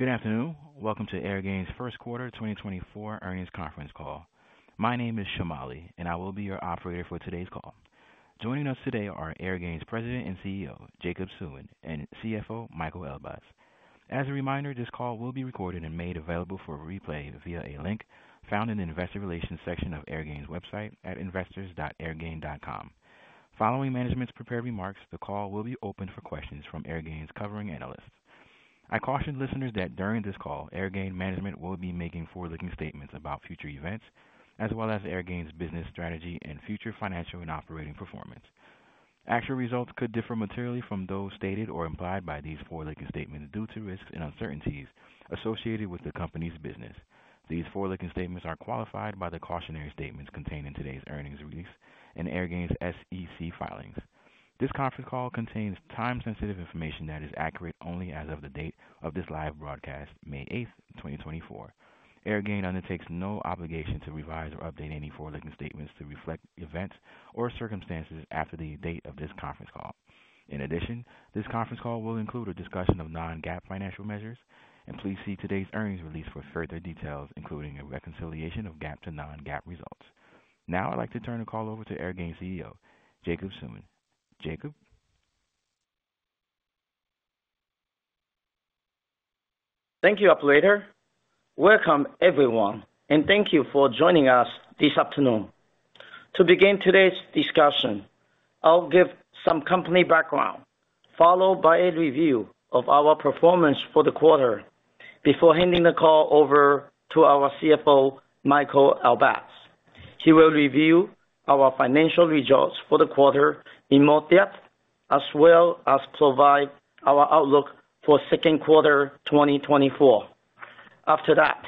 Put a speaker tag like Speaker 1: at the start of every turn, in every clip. Speaker 1: Good afternoon. Welcome to Airgain's Q1 2024 earnings conference call. My name is Shamali, and I will be your operator for today's call. Joining us today are Airgain's President and CEO, Jacob Suen, and CFO, Michael Elbaz. As a reminder, this call will be recorded and made available for replay via a link found in the Investor Relations section of Airgain's website at investors.airgain.com. Following management's prepared remarks, the call will be open for questions from Airgain's covering analysts. I caution listeners that during this call, Airgain management will be making forward-looking statements about future events, as well as Airgain's business strategy and future financial and operating performance. Actual results could differ materially from those stated or implied by these forward-looking statements due to risks and uncertainties associated with the company's business. These forward-looking statements are qualified by the cautionary statements contained in today's earnings release and Airgain's SEC filings. This conference call contains time-sensitive information that is accurate only as of the date of this live broadcast, May 8th, 2024. Airgain undertakes no obligation to revise or update any forward-looking statements to reflect events or circumstances after the date of this conference call. In addition, this conference call will include a discussion of non-GAAP financial measures, and please see today's earnings release for further details, including a reconciliation of GAAP to non-GAAP results. Now I'd like to turn the call over to Airgain's CEO, Jacob Suen. Jacob?
Speaker 2: Thank you, operator. Welcome, everyone, and thank you for joining us this afternoon. To begin today's discussion, I'll give some company background, followed by a review of our performance for the quarter, before handing the call over to our CFO, Michael Elbaz. He will review our financial results for the quarter in more depth, as well as provide our outlook for Q2 2024. After that,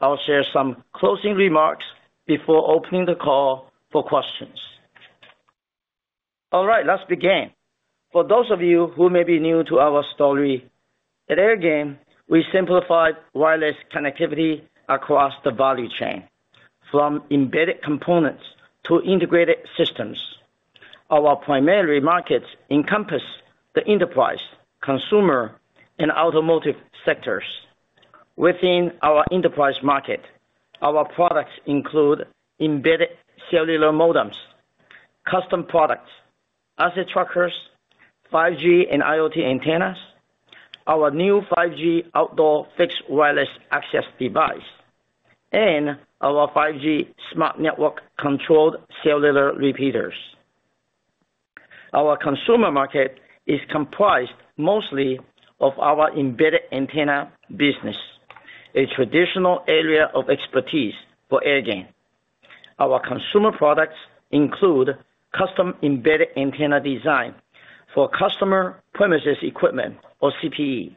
Speaker 2: I'll share some closing remarks before opening the call for questions. All right, let's begin. For those of you who may be new to our story, at Airgain, we simplified wireless connectivity across the value chain, from embedded components to integrated systems. Our primary markets encompass the enterprise, consumer, and automotive sectors. Within our enterprise market, our products include embedded cellular modems, custom products, asset trackers, 5G and IoT antennas, our new 5G outdoor fixed wireless access device, and our 5G smart network-controlled cellular repeaters. Our consumer market is comprised mostly of our embedded antenna business, a traditional area of expertise for Airgain. Our consumer products include custom embedded antenna design for customer premises equipment, or CPE,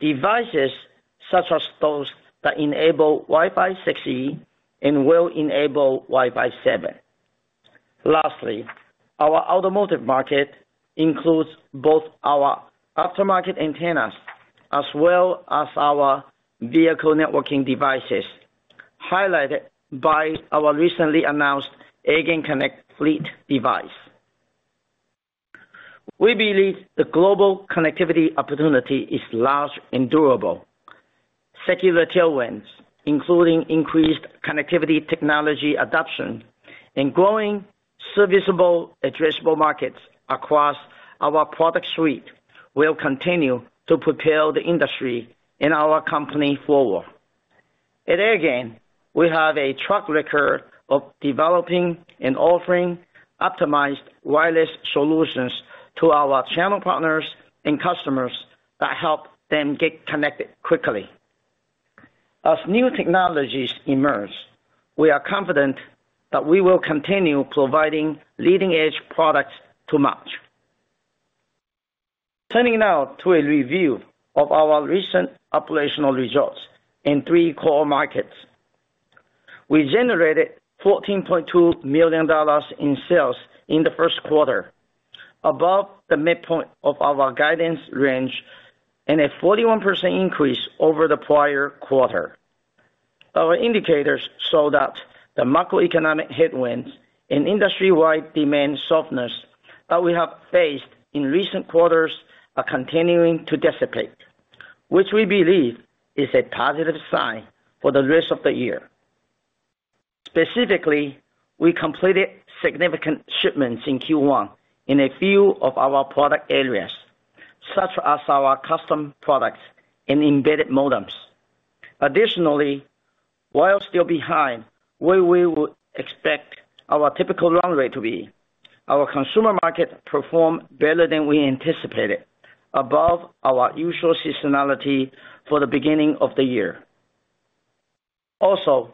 Speaker 2: devices such as those that enable Wi-Fi 6E and will enable Wi-Fi 7. Lastly, our automotive market includes both our aftermarket antennas as well as our vehicle networking devices, highlighted by our recently announced AirgainConnect Fleet device. We believe the global connectivity opportunity is large and durable. Secular tailwinds, including increased connectivity technology adoption and growing serviceable, addressable markets across our product suite, will continue to propel the industry and our company forward. At Airgain, we have a track record of developing and offering optimized wireless solutions to our channel partners and customers that help them get connected quickly. As new technologies emerge, we are confident that we will continue providing leading-edge products to match. Turning now to a review of our recent operational results in three core markets. We generated $14.2 million in sales in Q1, above the midpoint of our guidance range, and a 41% increase over the prior quarter. Our indicators show that the macroeconomic headwinds and industry-wide demand softness that we have faced in recent quarters are continuing to dissipate, which we believe is a positive sign for the rest of the year. Specifically, we completed significant shipments in Q1 in a few of our product areas, such as our custom products and embedded modems. Additionally, while still behind where we would expect our typical run rate to be, our consumer market performed better than we anticipated, above our usual seasonality for the beginning of the year. Also,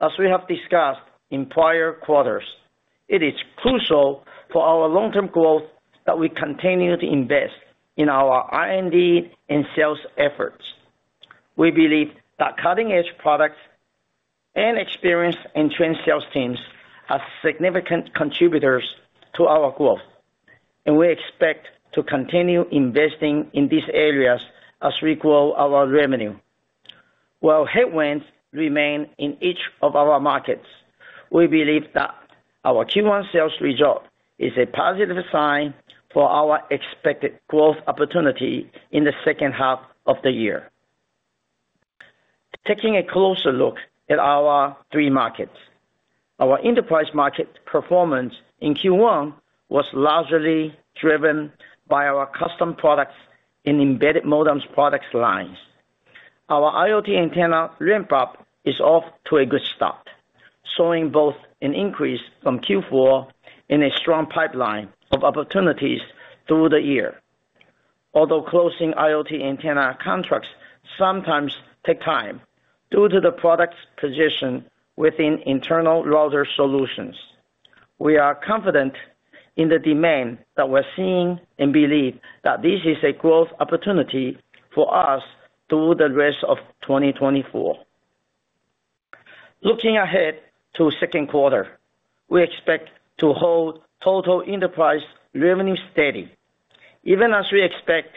Speaker 2: as we have discussed in prior quarters, it is crucial for our long-term growth that we continue to invest in our R&D and sales efforts. We believe that cutting-edge products and experienced and trained sales teams are significant contributors to our growth, and we expect to continue investing in these areas as we grow our revenue. While headwinds remain in each of our markets, we believe that our Q1 sales result is a positive sign for our expected growth opportunity in the second half of the year. Taking a closer look at our three markets, our enterprise market performance in Q1 was largely driven by our custom products and embedded modems product lines. Our IoT antenna ramp-up is off to a good start, showing both an increase from Q4 and a strong pipeline of opportunities through the year. Although closing IoT antenna contracts sometimes takes time due to the product's position within internal router solutions, we are confident in the demand that we're seeing and believe that this is a growth opportunity for us through the rest of 2024. Looking ahead to Q2, we expect to hold total enterprise revenue steady, even as we expect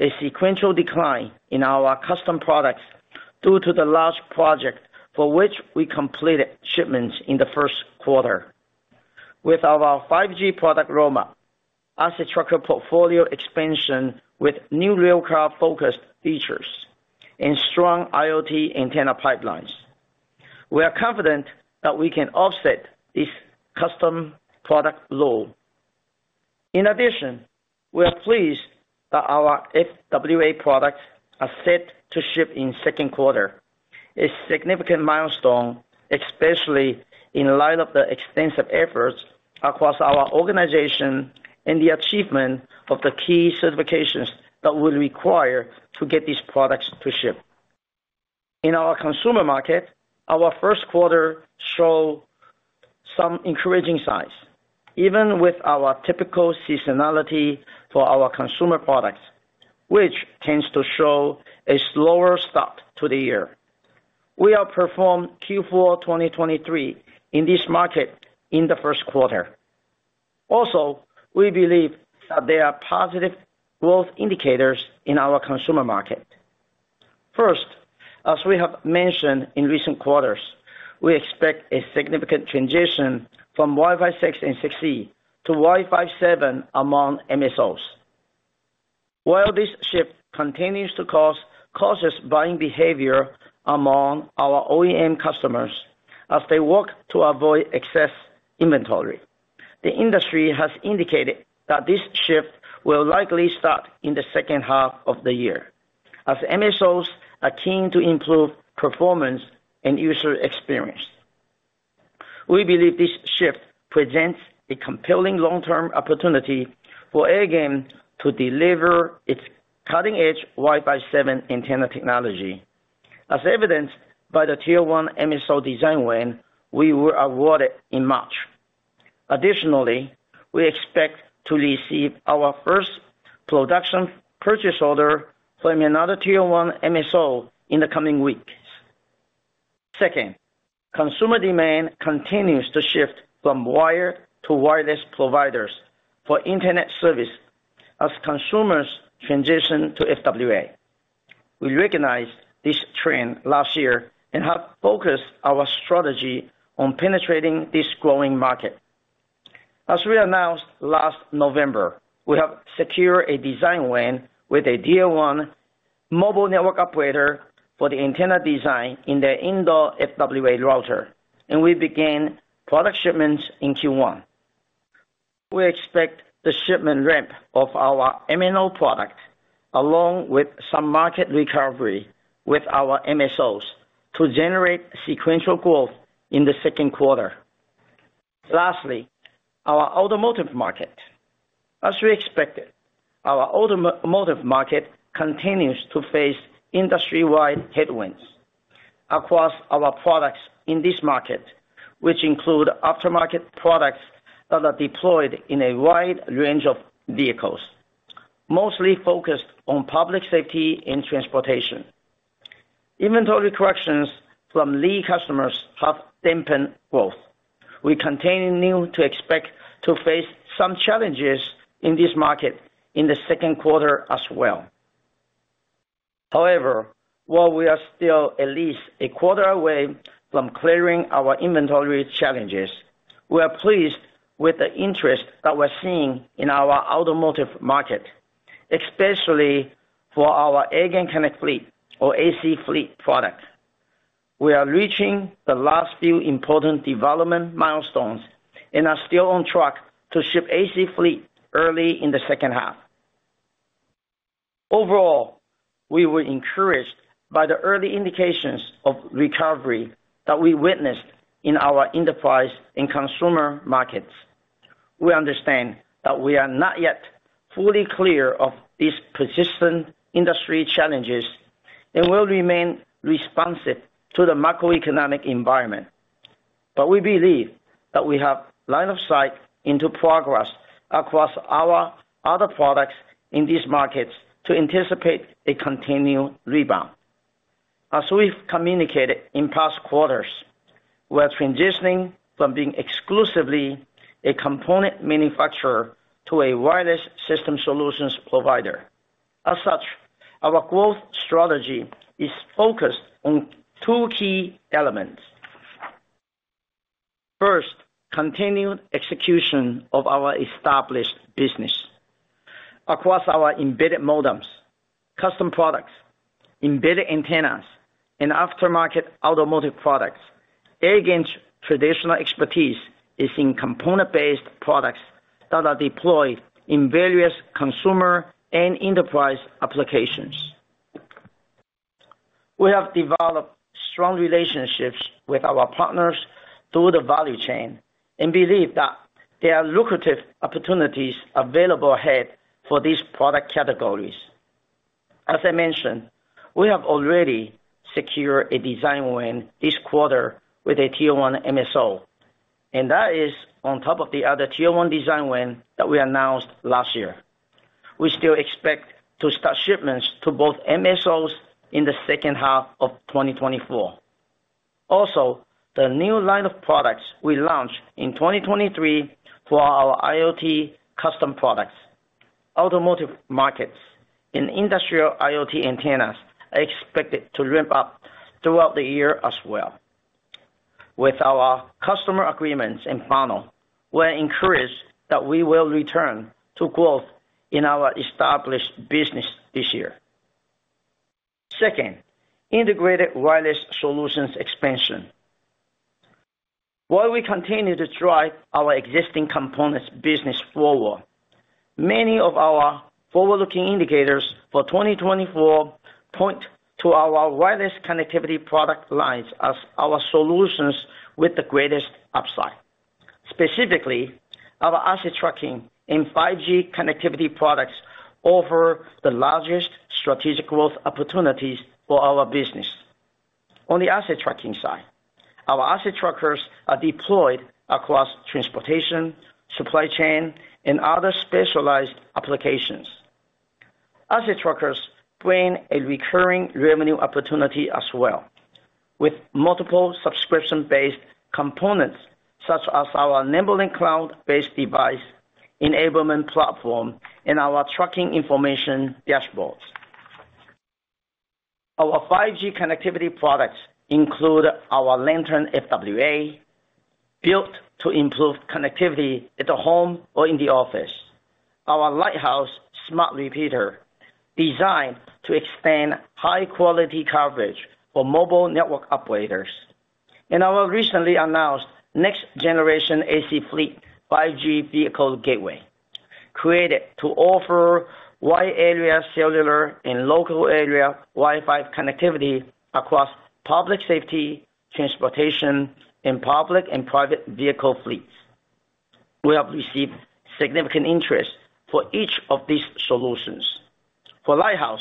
Speaker 2: a sequential decline in our custom products due to the large project for which we completed shipments in Q1. With our 5G product roll-up, asset tracker portfolio expansion with new railcar-focused features, and strong IoT antenna pipelines, we are confident that we can offset this custom product lull. In addition, we are pleased that our FWA products are set to ship in Q2, a significant milestone, especially in light of the extensive efforts across our organization and the achievement of the key certifications that we'll require to get these products to ship. In our consumer market, our Q1 showed some encouraging signs, even with our typical seasonality for our consumer products, which tends to show a slower start to the year. We have performed Q4 2023 in this market in Q1. Also, we believe that there are positive growth indicators in our consumer market. First, as we have mentioned in recent quarters, we expect a significant transition from Wi-Fi 6 and 6E to Wi-Fi 7 among MSOs. While this shift continues to cause cautious buying behavior among our OEM customers as they work to avoid excess inventory, the industry has indicated that this shift will likely start in the second half of the year, as MSOs are keen to improve performance and user experience. We believe this shift presents a compelling long-term opportunity for Airgain to deliver its cutting-edge Wi-Fi 7 antenna technology, as evidenced by the Tier 1 MSO design win we were awarded in March. Additionally, we expect to receive our first production purchase order from another Tier 1 MSO in the coming weeks. Second, consumer demand continues to shift from wired to wireless providers for internet service as consumers transition to FWA. We recognized this trend last year and have focused our strategy on penetrating this growing market. As we announced last November, we have secured a design win with a Tier 1 mobile network operator for the antenna design in their indoor FWA router, and we began product shipments in Q1. We expect the shipment ramp of our MNO product, along with some market recovery with our MSOs, to generate sequential growth in the Q2. Lastly, our automotive market. As we expected, our automotive market continues to face industry-wide headwinds across our products in this market, which include aftermarket products that are deployed in a wide range of vehicles, mostly focused on public safety and transportation. Inventory corrections from lead customers have dampened growth. We continue to expect to face some challenges in this market in the Q2 as well. However, while we are still at least a quarter away from clearing our inventory challenges, we are pleased with the interest that we're seeing in our automotive market, especially for our AirgainConnect Fleet, or AC Fleet, product. We are reaching the last few important development milestones and are still on track to ship AC Fleet early in the second half. Overall, we were encouraged by the early indications of recovery that we witnessed in our enterprise and consumer markets. We understand that we are not yet fully clear of these persistent industry challenges and will remain responsive to the macroeconomic environment, but we believe that we have line of sight into progress across our other products in these markets to anticipate a continued rebound. As we've communicated in past quarters, we are transitioning from being exclusively a component manufacturer to a wireless system solutions provider. As such, our growth strategy is focused on two key elements. First, continued execution of our established business. Across our embedded modems, custom products, embedded antennas, and aftermarket automotive products, Airgain's traditional expertise is in component-based products that are deployed in various consumer and enterprise applications. We have developed strong relationships with our partners through the value chain and believe that there are lucrative opportunities available ahead for these product categories. As I mentioned, we have already secured a design win this quarter with a Tier 1 MSO, and that is on top of the other Tier 1 design win that we announced last year. We still expect to start shipments to both MSOs in the second half of 2024. Also, the new line of products we launched in 2023 for our IoT custom products, automotive markets, and industrial IoT antennas are expected to ramp up throughout the year as well. With our customer agreements in final, we are encouraged that we will return to growth in our established business this year. Second, integrated wireless solutions expansion. While we continue to drive our existing components business forward, many of our forward-looking indicators for 2024 point to our wireless connectivity product lines as our solutions with the greatest upside. Specifically, our asset tracking and 5G connectivity products offer the largest strategic growth opportunities for our business. On the asset tracking side, our asset trackers are deployed across transportation, supply chain, and other specialized applications. Asset trackers bring a recurring revenue opportunity as well, with multiple subscription-based components such as our NimbeLink cloud-based device enablement platform and our tracking information dashboards. Our 5G connectivity products include our Lantern FWA, built to improve connectivity at the home or in the office, our Lighthouse Smart Repeater designed to extend high-quality coverage for mobile network operators, and our recently announced Next Generation AC Fleet 5G Vehicle Gateway, created to offer wide-area cellular and local-area Wi-Fi connectivity across public safety, transportation, and public and private vehicle fleets. We have received significant interest for each of these solutions. For Lighthouse,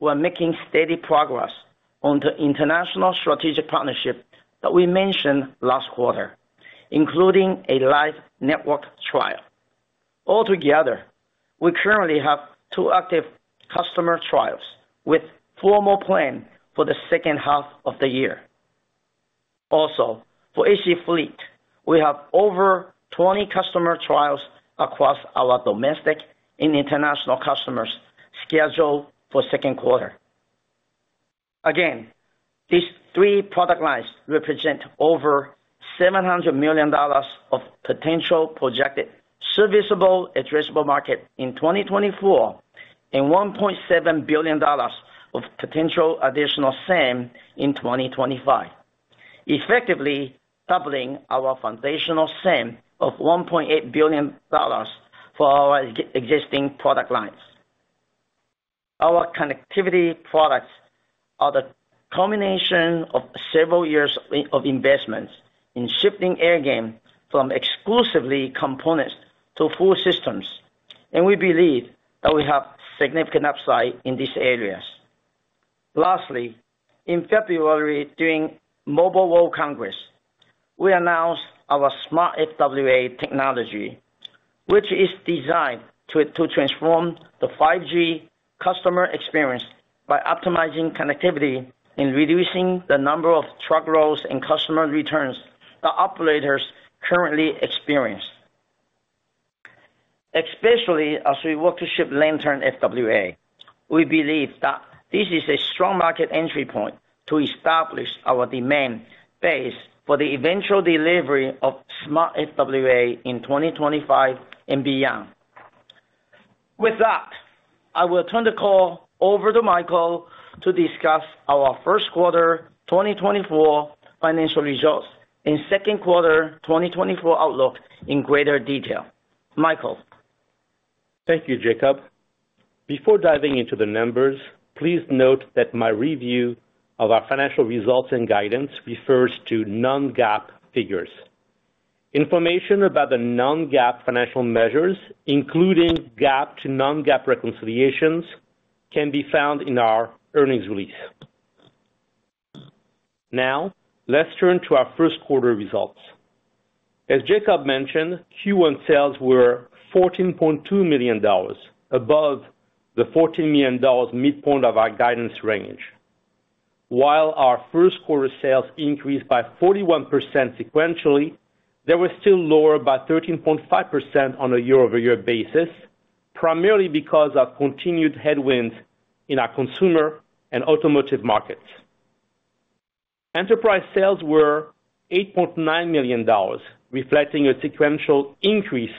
Speaker 2: we are making steady progress on the international strategic partnership that we mentioned last quarter, including a live network trial. Altogether, we currently have two active customer trials with a formal plan for the second half of the year. Also, for AC Fleet, we have over 20 customer trials across our domestic and international customers scheduled for Q2. Again, these three product lines represent over $700 million of potential projected serviceable addressable market in 2024 and $1.7 billion of potential additional SAM in 2025, effectively doubling our foundational SAM of $1.8 billion for our existing product lines. Our connectivity products are the culmination of several years of investments in shifting Airgain from exclusively components to full systems, and we believe that we have significant upside in these areas. Lastly, in February during Mobile World Congress, we announced our Smart FWA technology, which is designed to transform the 5G customer experience by optimizing connectivity and reducing the number of truck rolls and customer returns that operators currently experience. Especially as we work to ship Lantern FWA, we believe that this is a strong market entry point to establish our demand base for the eventual delivery of Smart FWA in 2025 and beyond. With that, I will turn the call over to Michael to discuss our Q1 2024 financial results and Q2 2024 outlook in greater detail. Michael.
Speaker 3: Thank you, Jacob. Before diving into the numbers, please note that my review of our financial results and guidance refers to non-GAAP figures. Information about the non-GAAP financial measures, including GAAP to non-GAAP reconciliations, can be found in our earnings release. Now, let's turn to our Q1 results. As Jacob mentioned, Q1 sales were $14.2 million, above the $14 million midpoint of our guidance range. While our Q1 sales increased by 41% sequentially, they were still lower by 13.5% on a year-over-year basis, primarily because of continued headwinds in our consumer and automotive markets. Enterprise sales were $8.9 million, reflecting a sequential increase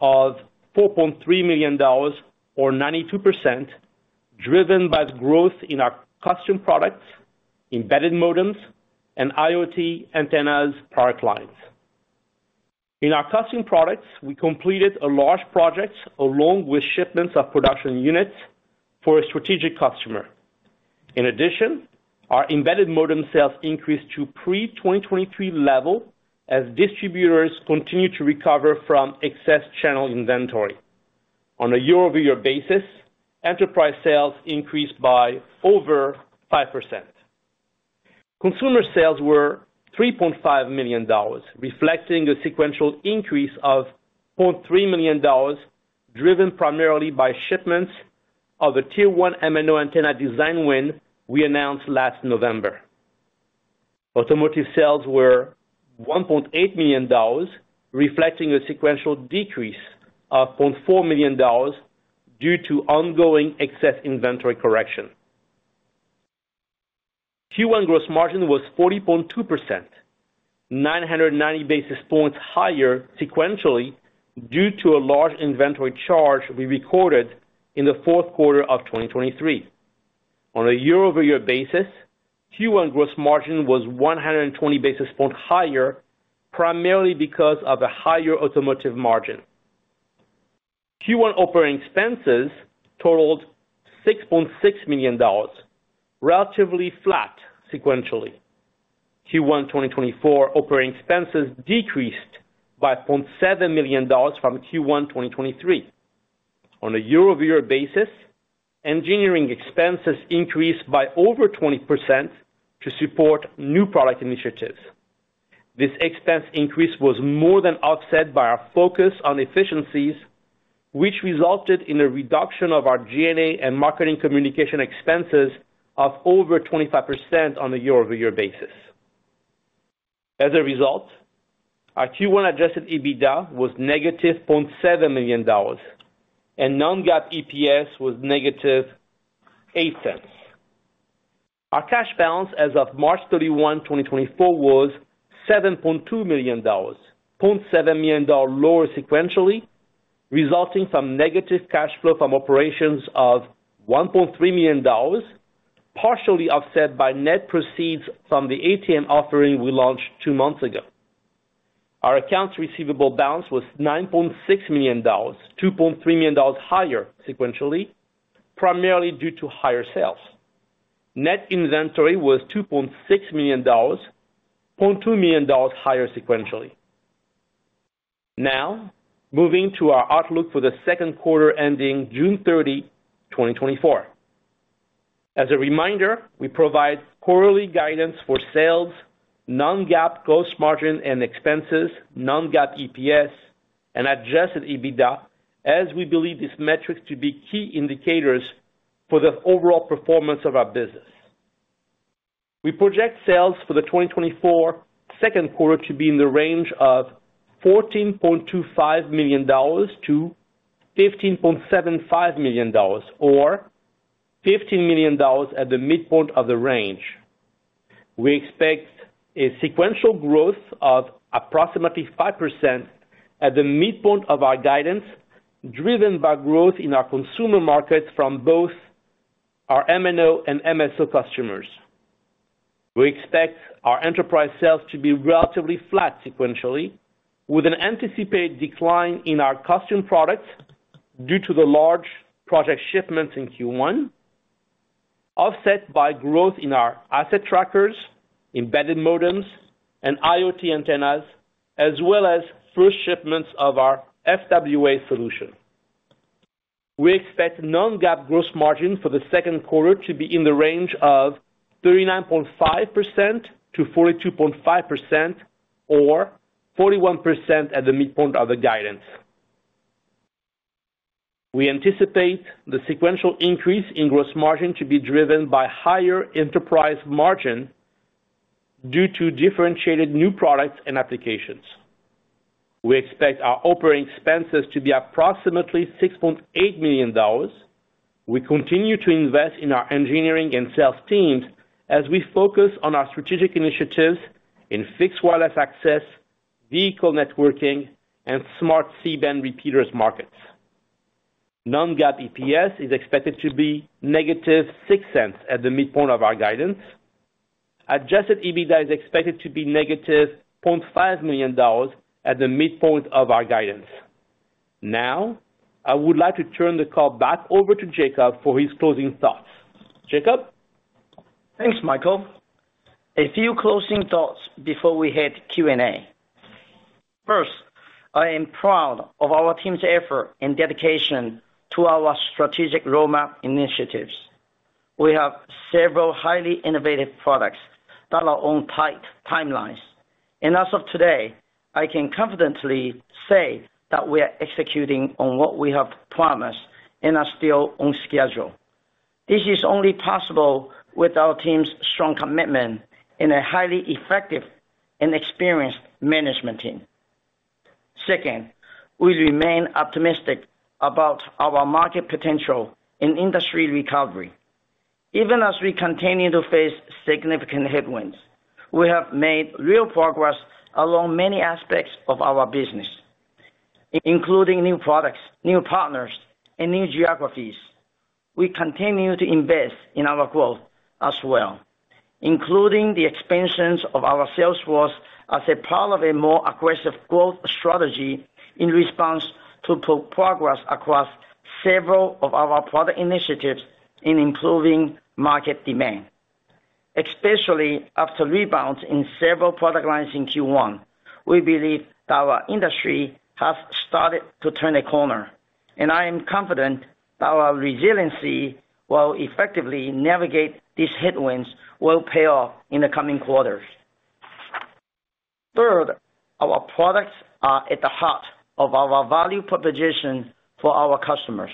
Speaker 3: of $4.3 million, or 92%, driven by the growth in our custom products, embedded modems, and IoT antennas product lines. In our custom products, we completed large projects along with shipments of production units for a strategic customer. In addition, our embedded modem sales increased to pre-2023 level as distributors continued to recover from excess channel inventory. On a year-over-year basis, enterprise sales increased by over 5%. Consumer sales were $3.5 million, reflecting a sequential increase of $0.3 million, driven primarily by shipments of a Tier 1 MNO antenna design win we announced last November. Automotive sales were $1.8 million, reflecting a sequential decrease of $0.4 million due to ongoing excess inventory correction. Q1 gross margin was 40.2%, 990 basis points higher sequentially due to a large inventory charge we recorded in the Q4 of 2023. On a year-over-year basis, Q1 gross margin was 120 basis points higher, primarily because of a higher automotive margin. Q1 operating expenses totaled $6.6 million, relatively flat sequentially. Q1 2024 operating expenses decreased by $0.7 million from Q1 2023. On a year-over-year basis, engineering expenses increased by over 20% to support new product initiatives. This expense increase was more than offset by our focus on efficiencies, which resulted in a reduction of our G&A and marketing communication expenses of over 25% on a year-over-year basis. As a result, our Q1 adjusted EBITDA was -$0.7 million, and non-GAAP EPS was -$0.08. Our cash balance as of March 31, 2024, was $7.2 million, $0.7 million lower sequentially, resulting from negative cash flow from operations of $1.3 million, partially offset by net proceeds from the ATM offering we launched two months ago. Our accounts receivable balance was $9.6 million, $2.3 million higher sequentially, primarily due to higher sales. Net inventory was $2.6 million, $0.2 million higher sequentially. Now, moving to our outlook for the Q2 ending June 30, 2024. As a reminder, we provide quarterly guidance for sales, non-GAAP gross margin and expenses, non-GAAP EPS, and adjusted EBITDA, as we believe these metrics to be key indicators for the overall performance of our business. We project sales for the 2024 Q2 to be in the range of $14.25 million to $15.75 million, or $15 million at the midpoint of the range. We expect a sequential growth of approximately 5% at the midpoint of our guidance, driven by growth in our consumer markets from both our MNO and MSO customers. We expect our enterprise sales to be relatively flat sequentially, with an anticipated decline in our custom products due to the large project shipments in Q1, offset by growth in our asset trackers, embedded modems, and IoT antennas, as well as first shipments of our FWA solution. We expect non-GAAP gross margin for the Q2 to be in the range of 39.5%-42.5%, or 41% at the midpoint of the guidance. We anticipate the sequential increase in gross margin to be driven by higher enterprise margin due to differentiated new products and applications. We expect our operating expenses to be approximately $6.8 million. We continue to invest in our engineering and sales teams as we focus on our strategic initiatives in fixed wireless access, vehicle networking, and Smart C-band repeaters markets. Non-GAAP EPS is expected to be negative $0.06 at the midpoint of our guidance. Adjusted EBITDA is expected to be -$0.5 million at the midpoint of our guidance. Now, I would like to turn the call back over to Jacob for his closing thoughts. Jacob. Thanks, Michael. A few closing thoughts before we head Q&A. First, I am proud of our team's effort and dedication to our strategic roadmap initiatives. We have several highly innovative products that are on tight timelines, and as of today, I can confidently say that we are executing on what we have promised and are still on schedule. This is only possible with our team's strong commitment and a highly effective and experienced management team. Second, we remain optimistic about our market potential and industry recovery. Even as we continue to face significant headwinds, we have made real progress along many aspects of our business, including new products, new partners, and new geographies. We continue to invest in our growth as well, including the expansions of our sales force as a part of a more aggressive growth strategy in response to progress across several of our product initiatives in improving market demand. Especially after rebounds in several product lines in Q1, we believe that our industry has started to turn a corner, and I am confident that our resiliency while effectively navigating these headwinds will pay off in the coming quarters. Third, our products are at the heart of our value proposition for our customers,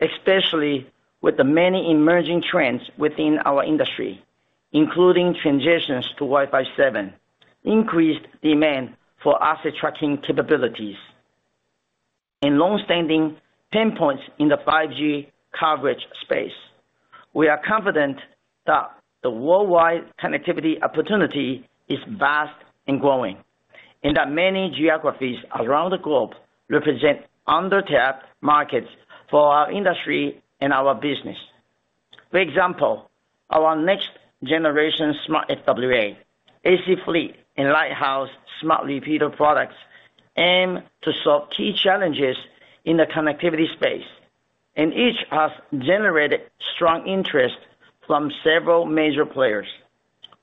Speaker 3: especially with the many emerging trends within our industry, including transitions to Wi-Fi 7, increased demand for asset tracking capabilities, and longstanding pain points in the 5G coverage space. We are confident that the worldwide connectivity opportunity is vast and growing, and that many geographies around the globe represent undertapped markets for our industry and our business. For example, our Next Generation Smart FWA, AC Fleet, and Lighthouse Smart Repeater products aim to solve key challenges in the connectivity space, and each has generated strong interest from several major players.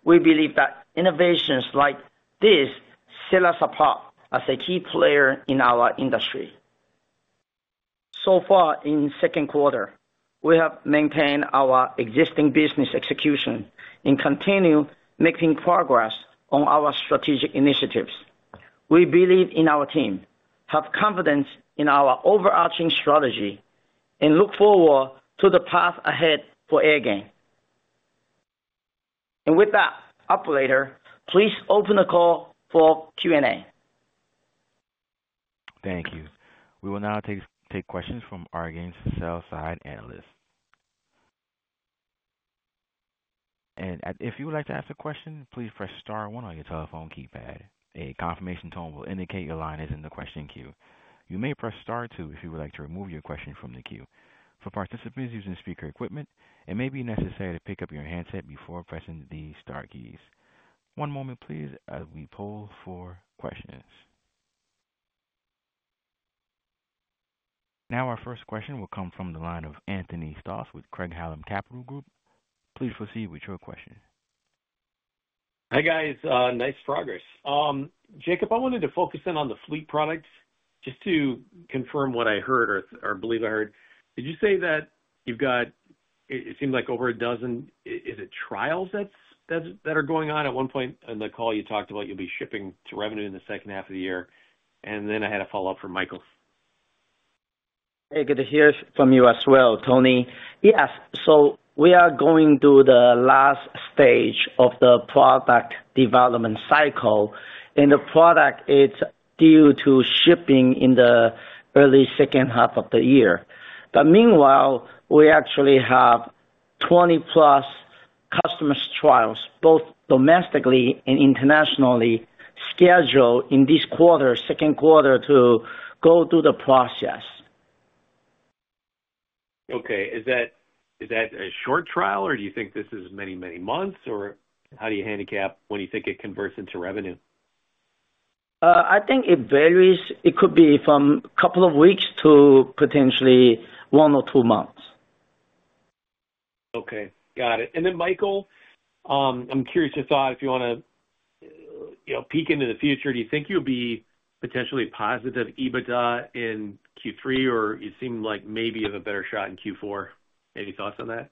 Speaker 3: We believe that innovations like this set us apart as a key player in our industry. So far in Q2, we have maintained our existing business execution and continue making progress on our strategic initiatives. We believe in our team, have confidence in our overarching strategy, and look forward to the path ahead for Airgain. And with that, operator, please open the call for Q&A. Thank you. We will now take questions from our guests, sell-side analysts. And if you would like to ask a question, please press Star 1 on your telephone keypad. A confirmation tone will indicate your line is in the question queue.
Speaker 1: You may press Star 2 if you would like to remove your question from the queue. For participants using speaker equipment, it may be necessary to pick up your handset before pressing the Star keys. One moment, please, as we pull for questions. Now, our first question will come from the line of Anthony Stoss with Craig-Hallum Capital Group. Please proceed with your question.
Speaker 4: Hey, guys. Nice progress. Jacob, I wanted to focus in on the fleet products. Just to confirm what I heard or believe I heard, did you say that you've got it seemed like over a dozen, is it, trials that are going on? At one point in the call, you talked about you'll be shipping to revenue in the second half of the year. And then I had a follow-up from Michael.
Speaker 2: Hey, good to hear from you as well, Tony. Yes. So we are going through the last stage of the product development cycle, and the product is due to shipping in the early second half of the year. But meanwhile, we actually have 20+ customer trials, both domestically and internationally, scheduled in this quarter, Q2, to go through the process. Okay. Is that a short trial, or do you think this is many, many months? Or how do you handicap when you think it converts into revenue? I think it varies. It could be from a couple of weeks to potentially one or two months.
Speaker 4: Okay. Got it. And then, Michael, I'm curious your thought. If you want to peek into the future, do you think you would be potentially positive EBITDA in Q3, or you seem like maybe you have a better shot in Q4? Any thoughts on that?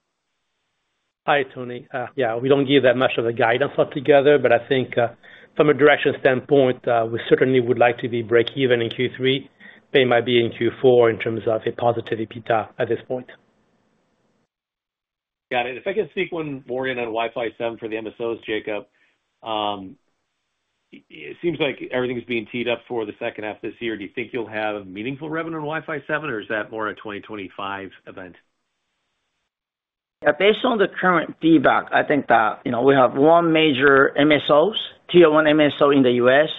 Speaker 3: Hi, Tony. Yeah, we don't give that much of a guidance altogether, but I think from a direction standpoint, we certainly would like to be break-even in Q3. They might be in Q4 in terms of a positive EBITDA at this point. Got it. If I can speak one more in on Wi-Fi 7 for the MSOs, Jacob, it seems like everything's being teed up for the second half of this year. Do you think you'll have meaningful revenue on Wi-Fi 7, or is that more a 2025 event?
Speaker 2: Yeah. Based on the current feedback, I think that we have one major MSO, Tier 1 MSO, in the U.S.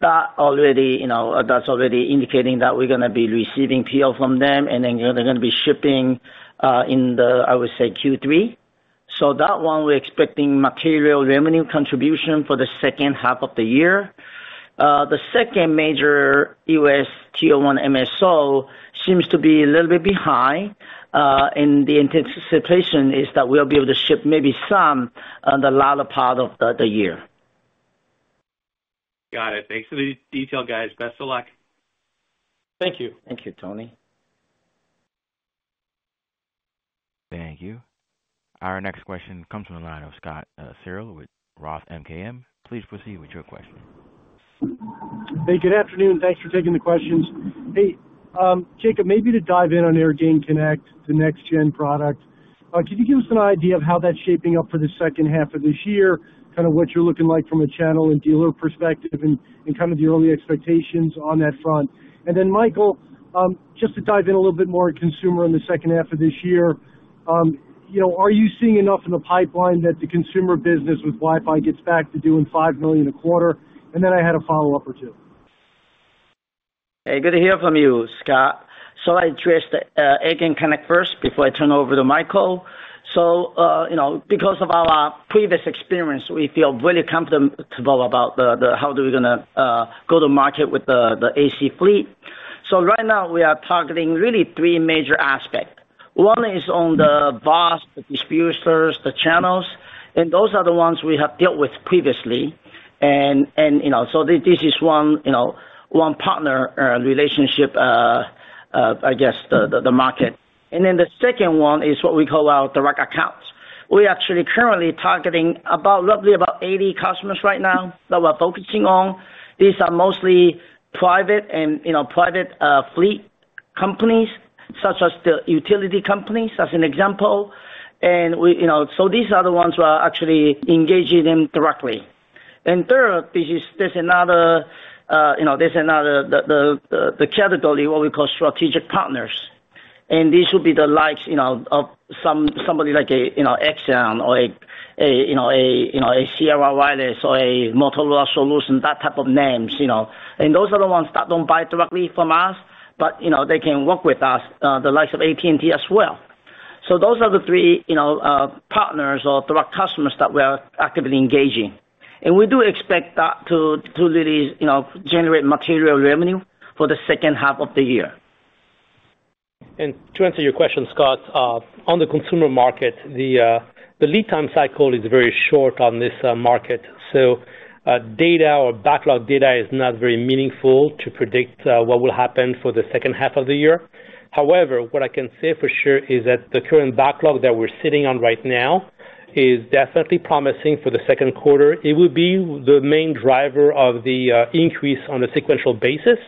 Speaker 2: That's already indicating that we're going to be receiving PO from them, and then they're going to be shipping in the, I would say, Q3. So that one, we're expecting material revenue contribution for the second half of the year. The second major U.S. Tier 1 MSO seems to be a little bit behind, and the anticipation is that we'll be able to ship maybe some on the latter part of the year.
Speaker 4: Got it. Thanks for the detail, guys. Best of luck.
Speaker 3: Thank you.
Speaker 2: Thank you, Tony.
Speaker 1: Thank you. Our next question comes from the line of Scott Searle with Roth MKM. Please proceed with your question.
Speaker 5: Hey, good afternoon. Thanks for taking the questions. Hey, Jacob, maybe to dive in on Airgain Connect, the next-gen product, could you give us an idea of how that's shaping up for the second half of this year, kind of what you're looking like from a channel and dealer perspective, and kind of the early expectations on that front? And then, Michael, just to dive in a little bit more consumer in the second half of this year, are you seeing enough in the pipeline that the consumer business with Wi-Fi gets back to doing $5 million a quarter? And then I had a follow-up or two.
Speaker 2: Hey, good to hear from you, Scott. So I addressed Airgain Connect first before I turned over to Michael. So because of our previous experience, we feel very comfortable about how do we going to go to market with the AC fleet. So right now, we are targeting really three major aspects. One is on the VOS, the distributors, the channels, and those are the ones we have dealt with previously. And so this is one partner relationship, I guess, the market. And then the second one is what we call our direct accounts. We are actually currently targeting roughly about 80 customers right now that we're focusing on. These are mostly private fleet companies, such as the utility companies, as an example. So these are the ones we are actually engaging them directly. Third, there's another category, what we call strategic partners. These would be the likes of somebody like Axon or a Sierra Wireless or a Motorola Solutions, that type of names. Those are the ones that don't buy directly from us, but they can work with us, the likes of AT&T as well. So those are the three partners or direct customers that we are actively engaging. We do expect that to really generate material revenue for the second half of the year.
Speaker 3: To answer your question, Scott, on the consumer market, the lead time cycle is very short on this market. So data or backlog data is not very meaningful to predict what will happen for the second half of the year. However, what I can say for sure is that the current backlog that we're sitting on right now is definitely promising for the Q2. It would be the main driver of the increase on a sequential basis.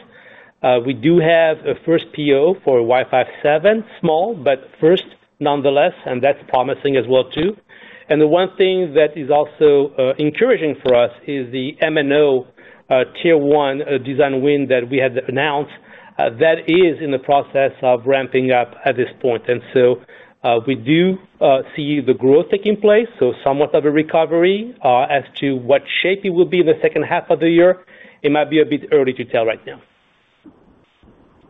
Speaker 3: We do have a first PO for Wi-Fi 7, small, but first, nonetheless, and that's promising as well too. And the one thing that is also encouraging for us is the MNO Tier 1 design win that we had announced. That is in the process of ramping up at this point. And so we do see the growth taking place, so somewhat of a recovery as to what shape it will be in the second half of the year. It might be a bit early to tell right now.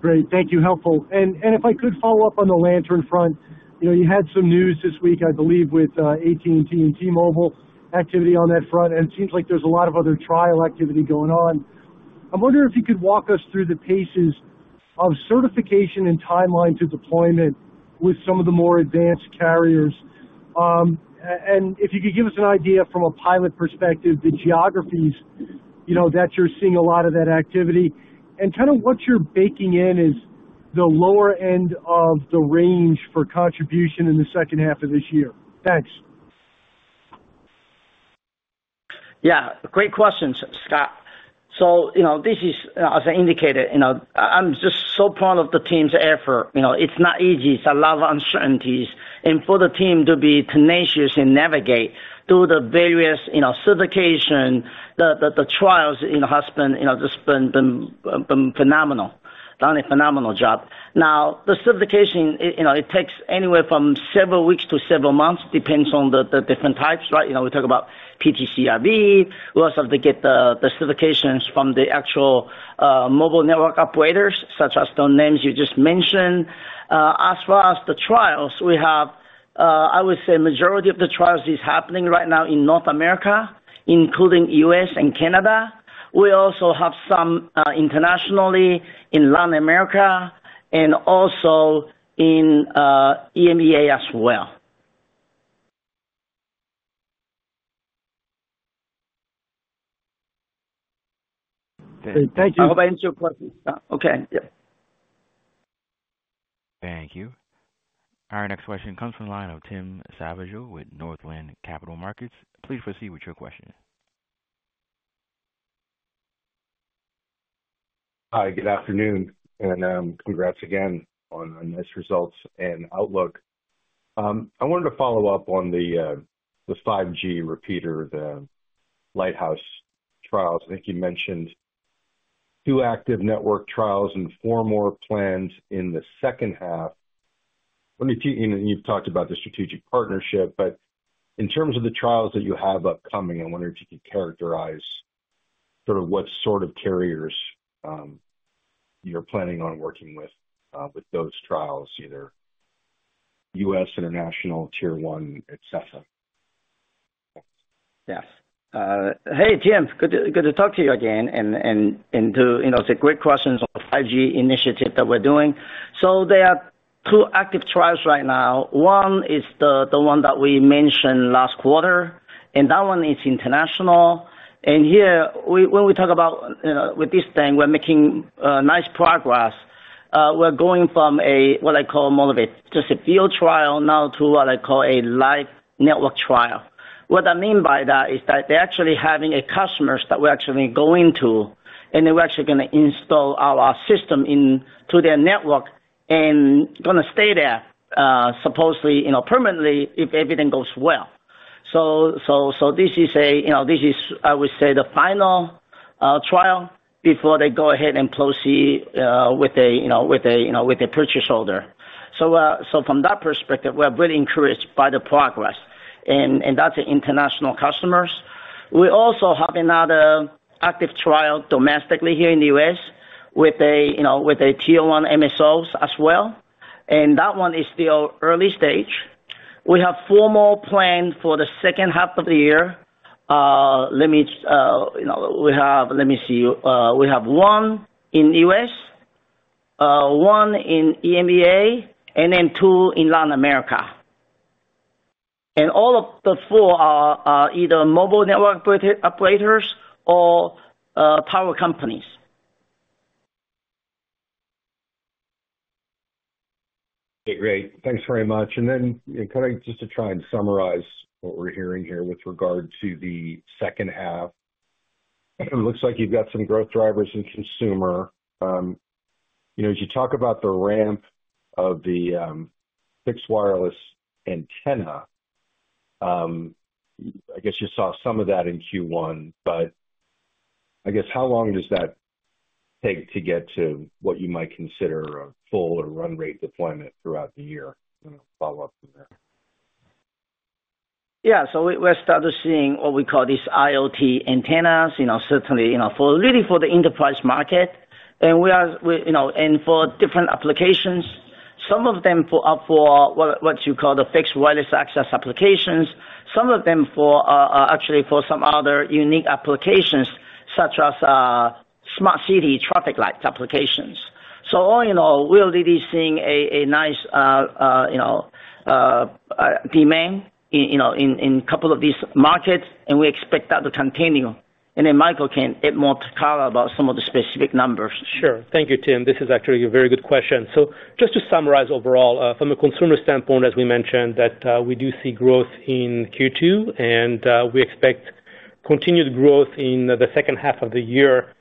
Speaker 5: Great. Thank you. Helpful. And if I could follow up on the Lantern front, you had some news this week, I believe, with AT&T and T-Mobile activity on that front, and it seems like there's a lot of other trial activity going on. I wonder if you could walk us through the paces of certification and timeline to deployment with some of the more advanced carriers. And if you could give us an idea from a pilot perspective, the geographies that you're seeing a lot of that activity, and kind of what you're baking in as the lower end of the range for contribution in the second half of this year. Thanks.
Speaker 2: Yeah. Great questions, Scott. So this is, as I indicated, I'm just so proud of the team's effort. It’s not easy. There are a lot of uncertainties.. For the team to be tenacious and navigate through the various certification, the trials has been just been phenomenal, phenomenal job. Now, the certification, it takes anywhere from several weeks to several months, depends on the different types, right? We talk about PTCRB. We also have to get the certifications from the actual mobile network operators, such as the names you just mentioned. As far as the trials, we have, I would say, the majority of the trials is happening right now in North America, including the U.S. and Canada. We also have some internationally in Latin America and also in EMEA as well. Thank you. I hope I answered your question, Scott. Okay.
Speaker 5: Yep.
Speaker 1: Thank you. Our next question comes from the line of Tim Savageaux with Northland Capital Markets. Please proceed with your question.
Speaker 6: Hi. Good afternoon. Congrats again on nice results and outlook. I wanted to follow up on the 5G repeater, the Lighthouse trials. I think you mentioned two active network trials and four more planned in the second half. And you've talked about the strategic partnership, but in terms of the trials that you have upcoming, I wonder if you could characterize sort of what sort of carriers you're planning on working with those trials, either U.S., international, Tier 1, etc.Yes.
Speaker 2: Hey, Tim. Good to talk to you again and to ask the great questions on the 5G initiative that we're doing. So there are two active trials right now. One is the one that we mentioned last quarter, and that one is international. And here, when we talk about with this thing, we're making nice progress. We're going from a what I call just a field trial now to what I call a live network trial. What I mean by that is that they're actually having customers that we're actually going to, and they're actually going to install our system into their network and going to stay there, supposedly permanently, if everything goes well. So this is, I would say, the final trial before they go ahead and proceed with a purchase order. So from that perspective, we are very encouraged by the progress, and that's international customers. We also have another active trial domestically here in the U.S. with a Tier 1 MSO as well, and that one is still early stage. We have four more planned for the second half of the year. Let me see. We have one in the U.S., one in EMEA, and then two in Latin America. And all of the four are either mobile network operators or power companies.
Speaker 6: Okay. Great. Thanks very much. And then kind of just to try and summarize what we're hearing here with regard to the second half, it looks like you've got some growth drivers in consumer. As you talk about the ramp of the fixed wireless antenna, I guess you saw some of that in Q1, but I guess how long does that take to get to what you might consider a full or run-rate deployment throughout the year? I'm going to follow up from there.
Speaker 2: Yeah. So we're starting to see what we call these IoT antennas, certainly really for the enterprise market and for different applications. Some of them are for what you call the fixed wireless access applications. Some of them are actually for some other unique applications, such as smart city traffic lights applications. So all in all, we are really seeing a nice demand in a couple of these markets, and we expect that to continue. And then, Michael can add more color about some of the specific numbers.
Speaker 3: Sure. Thank you, Tim. This is actually a very good question. So just to summarize overall, from a consumer standpoint, as we mentioned, that we do see growth in Q2, and we expect continued growth in the second half of the year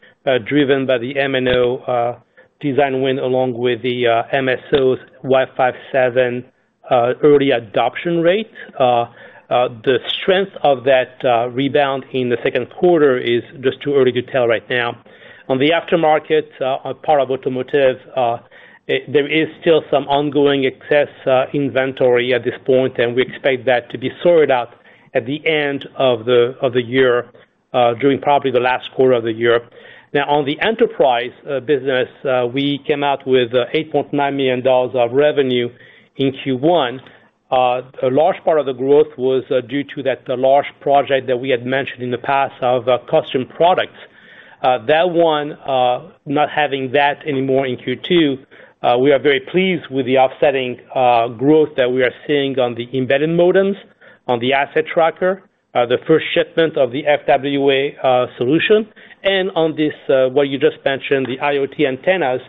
Speaker 3: driven by the MNO design win along with the MSOs Wi-Fi 7 early adoption rate. The strength of that rebound in the Q2 is just too early to tell right now. On the aftermarket, on part of automotive, there is still some ongoing excess inventory at this point, and we expect that to be sorted out at the end of the year during probably the last quarter of the year. Now, on the enterprise business, we came out with $8.9 million of revenue in Q1. A large part of the growth was due to that large project that we had mentioned in the past of custom products. That one, not having that anymore in Q2, we are very pleased with the offsetting growth that we are seeing on the embedded modems, on the asset tracker, the first shipment of the FWA solution, and on what you just mentioned, the IoT antennas,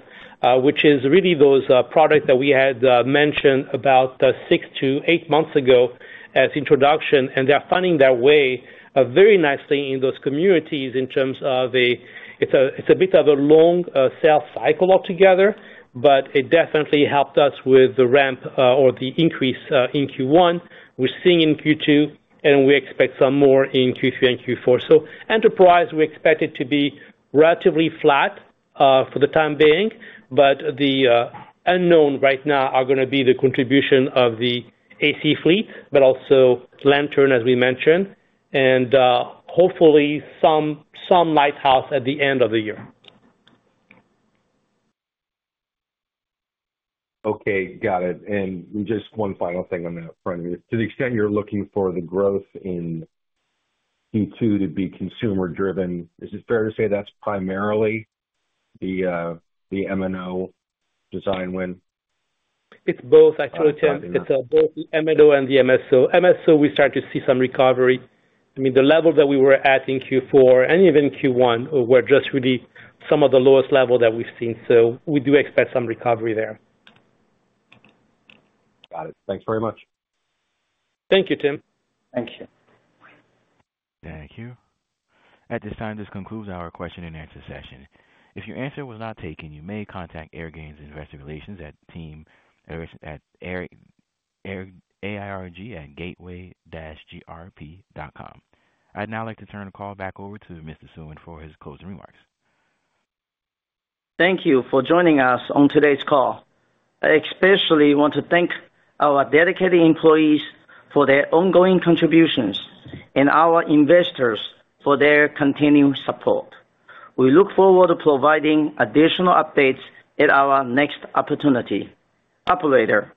Speaker 3: which is really those products that we had mentioned about six to eight months ago as introduction. And they're finding their way very nicely in those communities in terms of a it's a bit of a long sales cycle altogether, but it definitely helped us with the ramp or the increase in Q1. We're seeing in Q2, and we expect some more in Q3 and Q4. So enterprise, we expect it to be relatively flat for the time being, but the unknown right now are going to be the contribution of the AC fleet, but also Lantern, as we mentioned, and hopefully some Lighthouse at the end of the year. Okay. Got it. And just one final thing on that front. To the extent you're looking for the growth in Q2 to be consumer-driven, is it fair to say that's primarily the MNO design win? It's both, actually, Tim. It's both the MNO and the MSO. MSO, we started to see some recovery. I mean, the level that we were at in Q4 and even Q1 were just really some of the lowest level that we've seen. So we do expect some recovery there. Got it. Thanks very much. Thank you, Tim.
Speaker 6: Thank you.
Speaker 1: Thank you. At this time, this concludes our question-and-answer session. If your answer was not taken, you may contact Airgain's Investor relations at team.airg@gateway-grp.com. I'd now like to turn the call back over to Mr. Suen for his closing remarks.
Speaker 2: Thank you for joining us on today's call. I especially want to thank our dedicated employees for their ongoing contributions and our Investors for their continued support. We look forward to providing additional updates at our next opportunity. Operator.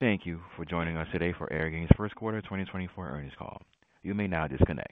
Speaker 1: Thank you for joining us today for Airgain's Q1 2024 earnings call. You may now disconnect.